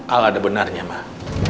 al ada benarnya mah